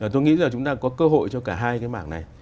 tôi nghĩ là chúng ta có cơ hội cho cả hai cái mảng này